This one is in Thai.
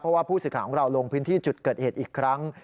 เพราะว่าผู้สื่อข่าวของเราลงพื้นที่จุดเกิดเหตุอีกครั้ง